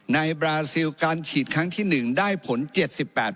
บราซิลการฉีดครั้งที่๑ได้ผล๗๘